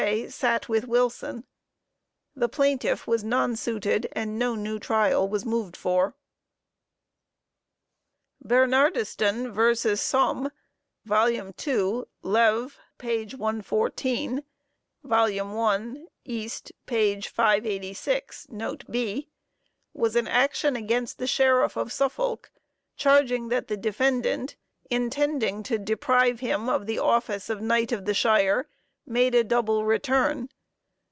sat with Wilson. The plaintiff was nonsuited and no new trial was moved for. Bernardiston v. Some (2 Lev. 114, 1 East. 586, note b.) was an action against the sheriff of Suffolk, charging that the defendant, intending to deprive him of the office of Knight of the Shire, made a double return.